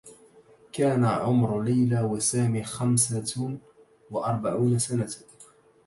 كان عمر ليلى و سامي خمسة و أربعون سنة.